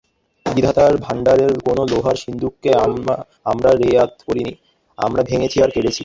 বিধাতার ভাণ্ডারের কোনো লোহার সিন্দুককে আমরা রেয়াত করি নি, আমরা ভেঙেছি আর কেড়েছি।